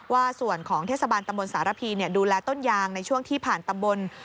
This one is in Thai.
ว่าส่วนของเทศบาลตำบลสารพีดูแลต้นยางในช่วงที่ผ่านตำบล